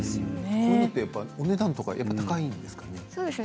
こういうのってお値段高いんですかね？